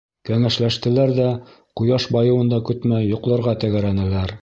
Кәңәшләштеләр ҙә, ҡояш байыуын да көтмәй йоҡларға тәгәрәнеләр.